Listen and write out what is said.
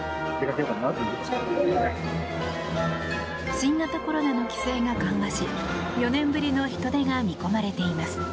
新型コロナの規制が緩和し４年ぶりの人出が見込まれています。